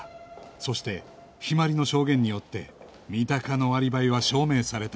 そして陽葵の証言によって三鷹のアリバイは証明された